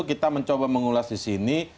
kita mencoba mengulas disini